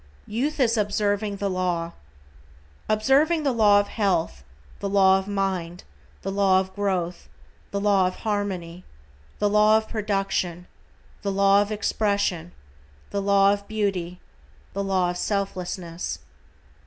=YOUTH IS OBSERVING THE LAW:= Observing the law of health, the law of mind, the law of growth, the law of harmony, the law of production, the law of expression, the law of beauty, the law of selflessness.